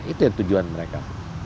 itu yang tujuan mereka